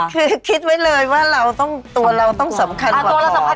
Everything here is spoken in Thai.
คือคิดไว้เลยว่าตัวเราต้องสำคัญกว่าของ